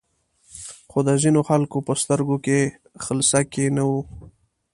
خو د ځینو خلکو په سترګو کې خلسکی نه و.